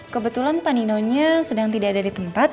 kebetulan paninonya sedang tidak ada di tempat